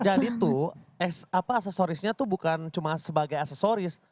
jadi tuh aksesorisnya tuh bukan cuma sebagai aksesoris